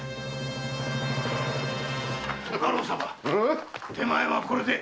ご家老様手前はこれで。